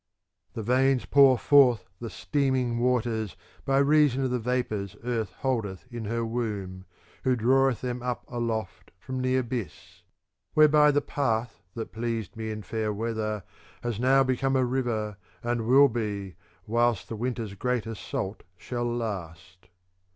The veins pour forth the steaming waters by reason of the vapours earth holdeth in her womb, who draweth them up aloft from the abyss ; Whereby the path that pleased me in fair weather has now become a river, and will be, whilst the winter's great assault shall last.